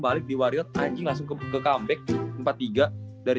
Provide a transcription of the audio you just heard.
balik di wario anjing langsung ke comeback empat puluh tiga dari tiga puluh dua